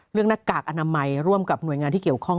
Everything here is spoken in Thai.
หน้ากากอนามัยร่วมกับหน่วยงานที่เกี่ยวข้อง